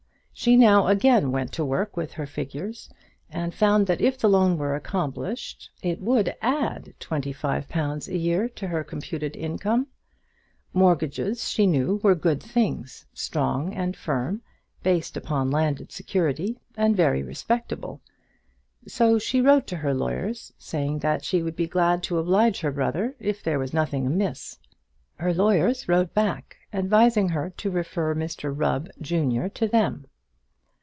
She now again went to work with her figures, and found that if the loan were accomplished it would add twenty five pounds a year to her computed income. Mortgages, she knew, were good things, strong and firm, based upon landed security, and very respectable. So she wrote to her lawyers, saying that she would be glad to oblige her brother if there were nothing amiss. Her lawyers wrote back, advising her to refer Mr Rubb, junior, to them.